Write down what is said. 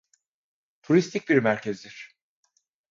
Turistik bir merkezdir.